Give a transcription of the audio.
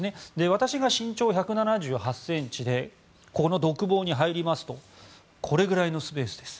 私が身長１７８ｃｍでこの独房に入りますとこれぐらいのスペースです。